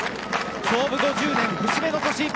創部５０年節目の年。